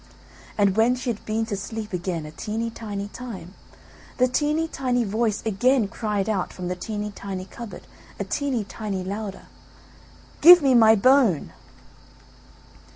And when she had been to sleep again a teeny tiny time, the teeny tiny voice again cried out from the teeny tiny cupboard a teeny tiny louder, "Give me my bone!"